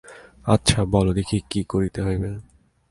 আচ্ছা, বলো দেখি কী করিতে হইবে।